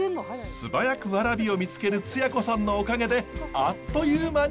素早くワラビを見つけるつや子さんのおかげであっという間に。